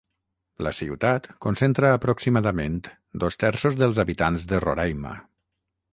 La ciutat concentra aproximadament dos terços dels habitants de Roraima.